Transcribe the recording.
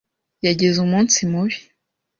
Yagize umunsi mubi.